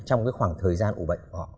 trong cái khoảng thời gian ủ bệnh của họ